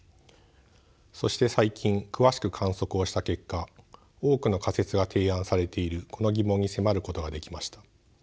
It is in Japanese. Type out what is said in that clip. そして最近詳しく観測をした結果多くの仮説が提案されているこの疑問に迫ることができました。